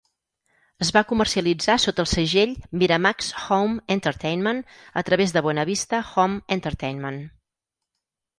Es va comercialitzar sota el segell Miramax Home Entertainment a través de Buena Vista Home Entertainment.